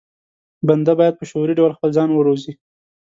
بنده بايد په شعوري ډول خپل ځان وروزي.